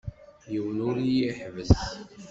Yiwen ur iyi-iḥebbes.